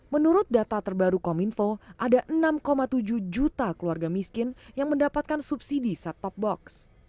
menurut data terbaru kominfo ada enam tujuh juta keluarga miskin yang mendapatkan subsidi set top box